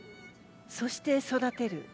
そして、育てる。